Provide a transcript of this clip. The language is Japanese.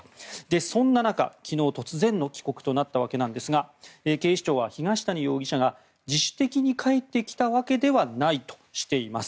そんな中、昨日突然の帰国となったわけですが警視庁は東谷容疑者が自主的に帰ってきたわけではないとしています。